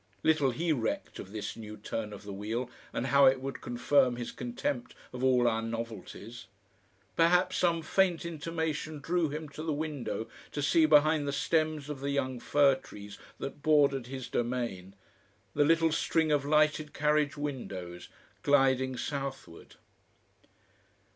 Little he recked of this new turn of the wheel and how it would confirm his contempt of all our novelties. Perhaps some faint intimation drew him to the window to see behind the stems of the young fir trees that bordered his domain, the little string of lighted carriage windows gliding southward....